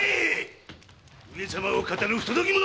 上様を騙る不届き者！